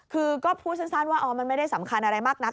คือก็พูดสั้นว่ามันไม่ได้สำคัญอะไรมากนัก